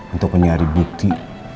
untuk mencari bukti